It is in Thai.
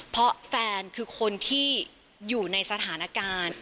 เพราะแฟนคือคนที่อยู่ในสถานการณ์